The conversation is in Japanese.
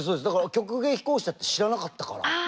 だから曲芸飛行士だって知らなかったから。